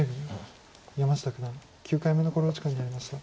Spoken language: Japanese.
山下九段９回目の考慮時間に入りました。